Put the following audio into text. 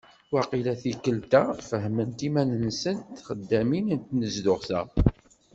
Waqila tikelt-a fahment iman-nsent txeddamin n tnezduɣt-a.